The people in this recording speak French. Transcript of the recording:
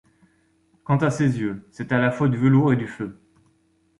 Quant à ses yeux, c’est à la fois du velours et du feu.